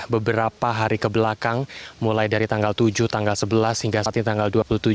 beberapa hari kebelakang mulai dari tanggal tujuh tanggal sebelas hingga saat ini tanggal dua puluh tujuh